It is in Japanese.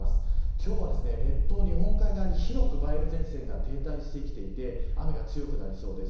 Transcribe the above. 今日は列島、日本海側広く梅雨前線が停滞してきていて雨が強くなりそうです。